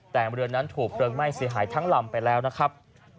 แต่เรือนั้นถูกเพลิงไหม้เสียหายทั้งลำไปแล้วนะครับ